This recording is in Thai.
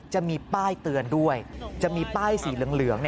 จะมีป้ายเตือนด้วยจะมีป้ายสีเหลือง